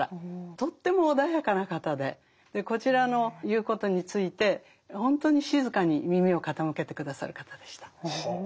とっても穏やかな方でこちらの言うことについて本当に静かに耳を傾けて下さる方でした。